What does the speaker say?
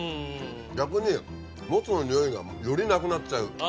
逆にもつのニオイがよりなくなっちゃう。